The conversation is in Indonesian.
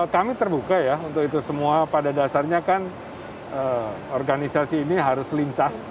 kami terbuka ya untuk itu semua pada dasarnya kan organisasi ini harus lincah